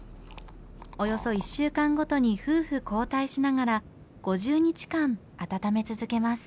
およそ１週間ごとに夫婦交代しながら５０日間温め続けます。